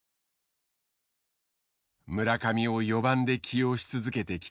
村上を４番で起用し続けてきた栗山。